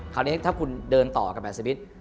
คราวนี้ถ้าคุณเดินต่อกับแบบสมิท